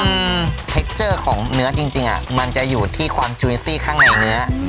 อืมเทคเจอร์ของเนื้อจริงจริงอ่ะมันจะอยู่ที่ความข้างในเนื้ออืม